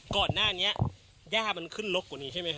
ก่อนหน้านี้ย่ามันขึ้นลกกว่านี้ใช่ไหมฮ